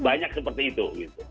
banyak seperti itu